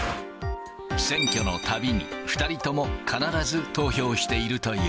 選挙のたびに、２人とも必ず投票しているという。